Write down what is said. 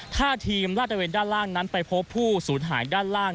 ถ้าทีมลาดตระเวนด้านล่างนั้นไปพบผู้สูญหายด้านล่าง